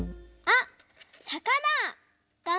あっさかだ！